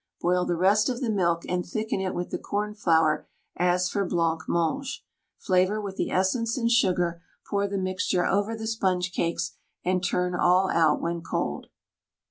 Boil the rest of the milk and thicken it with the cornflour as for blancmange; flavour with the essence and sugar; pour the mixture over the sponge cakes, and turn all out when cold.